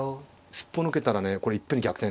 すっぽ抜けたらねこれいっぺんに逆転。